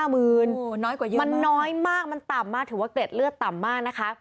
มันน้อยมากมันต่ำมากถือว่าเกร็ดเลือดต่ำมากนะคะ